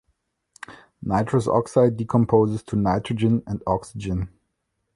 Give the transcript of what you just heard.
Nitrous oxide decomposes to nitrogen and oxygen.